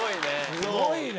すごいね。